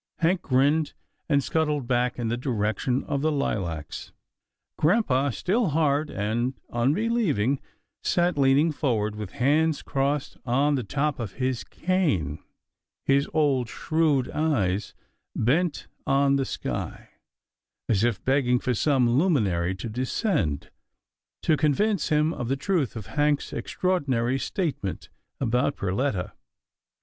Hank grinned, and scuttled back in the direction of the lilacs. Grampa, still hard and unbelieving, sat leaning forward with hands crossed on the top of his cane, his old, shrewd eyes bent on the sky, as if begging for some luminary to descend to convince him of the truth of Hank's extraordinary statement about Perletta.